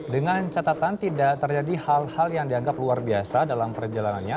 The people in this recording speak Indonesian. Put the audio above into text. dengan catatan tidak terjadi hal hal yang dianggap luar biasa dalam perjalanannya